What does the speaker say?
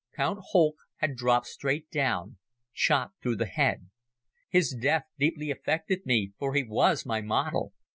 Count Holck had dropped straight down, shot through the head. His death deeply affected me for he was my model.